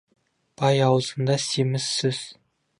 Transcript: Бай аузында семіз сөз.